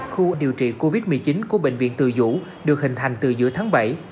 khu điều trị covid một mươi chín của bệnh viện từ dũ được hình thành từ giữa tháng bảy